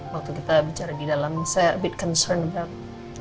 waktu kita bicara di dalam saya a bit concerned about